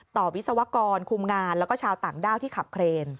วิศวกรคุมงานแล้วก็ชาวต่างด้าวที่ขับเครน